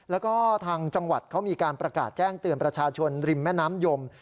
แล้วก็ทางจังหวัดเขามีการประกาศแจ้งเตือนประชาชนริมแม่น้ำยม